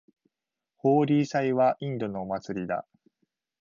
ホーリー祭はインドのお祭りだ。